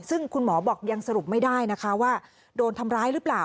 ซึ่งคุณหมอบอกยังสรุปไม่ได้นะคะว่าโดนทำร้ายหรือเปล่า